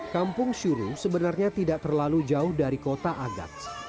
kampung syuru sebenarnya tidak terlalu jauh dari kota agats